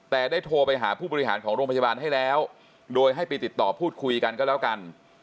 แต่ได้โทรไปหาผู้บริหารของโรงพยาบาลให้แล้วโดยให้ไปติดต่อพูดคุยกันก็แล้วกัน